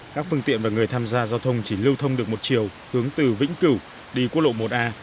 các phương tiện và người tham gia giao thông chỉ lưu thông được một chiều hướng từ vĩnh cửu đi quốc lộ một a